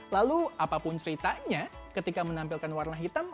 lalu apapun ceritanya ketika menampilkan warna hitam